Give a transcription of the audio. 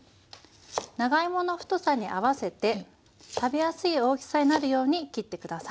長芋の太さに合わせて食べやすい大きさになるように切って下さい。